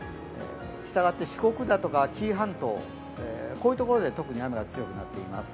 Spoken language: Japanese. したがって四国だとか、紀伊半島こういうところで雨が強くなっています。